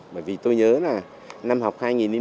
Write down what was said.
bởi vì tôi nhớ là năm học hai nghìn bảy hai nghìn tám